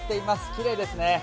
きれいですね。